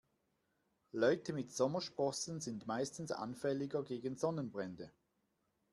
Leute mit Sommersprossen sind meistens anfälliger gegen Sonnenbrände.